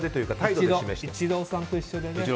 イチローさんと一緒でね。